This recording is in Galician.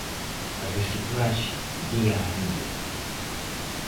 A reciclaxe día a día.